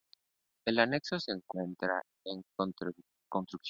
El anexo se encuentra en construcción.